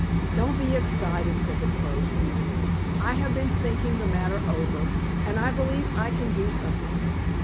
"Don't be excited," said the Crow soothingly. "I have been thinking the matter over, and I believe I can do something.